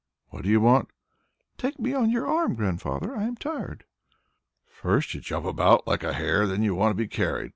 "What do you want?" "Take me on your arm, Grandfather. I am tired." "First you jump about like a hare; then you want to be carried.